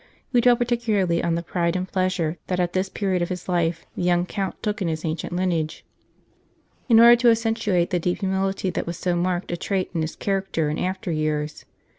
We dwell particularly on the pride and pleasure that at this period of his life the young Count took in his ancient lineage, in order to accentuate the deep humility that was so marked a trait in his character in after years.